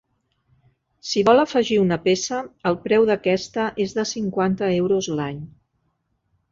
Si vol afegir una peça, el preu d'aquesta és de cinquanta euros l'any.